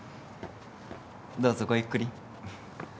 どうぞごゆっくり。